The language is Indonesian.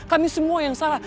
kami semua yang salah